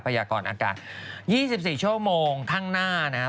ยากรอากาศ๒๔ชั่วโมงข้างหน้านะครับ